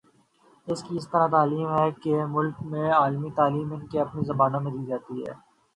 اسی طرح اعلی تعلیم ہے، کئی ممالک میںاعلی تعلیم ان کی اپنی زبانوں میں دی جاتی ہے۔